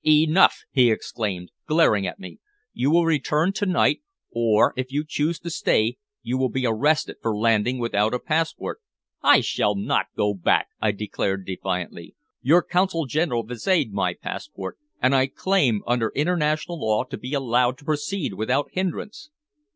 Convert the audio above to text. "Enough!" he exclaimed, glaring at me. "You will return to night, or if you choose to stay you will be arrested for landing without a passport." "I shall not go back!" I declared defiantly. "Your Consul General viséd my passport, and I claim, under international law, to be allowed to proceed without hindrance."